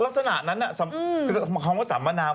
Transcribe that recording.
รักษณะนั้นคำว่าสัมมนา